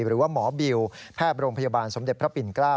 หรือว่าหมอบิวแพทย์โรงพยาบาลสมเด็จพระปิ่นเกล้า